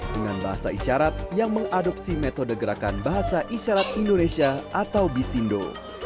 dengan bahasa isyarat yang mengadopsi metode gerakan bahasa isyarat indonesia atau bisindo